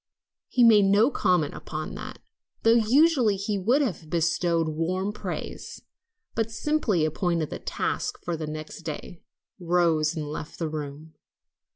He made no comment upon that, though usually he would have bestowed warm praise, but simply appointed the tasks for the next day, rose and left the room.